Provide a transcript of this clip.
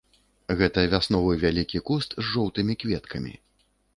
Гэта вясновы вялікі куст з жоўтымі кветкамі.